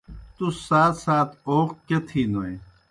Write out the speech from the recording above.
تُس سات سات اوق کیْہ تِھینوئے؟۔